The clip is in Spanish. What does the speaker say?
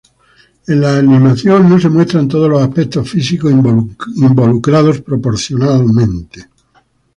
En la animación no se muestran todos los aspectos físicos involucrados proporcionalmente.